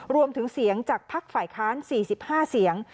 รวมถึงเสียงจากภักดิ์ฝ่ายค้าน๔๕เสียง